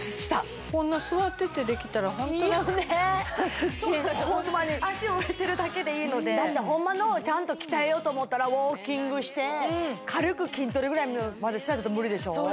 こんな座っててできたらホントラクラクちん脚を置いてるだけでいいのでだってホンマのちゃんと鍛えようと思ったらウォーキングして軽く筋トレぐらいまでしないと無理でしょ？